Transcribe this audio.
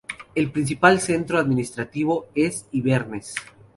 El principal centro administrativo es Inverness.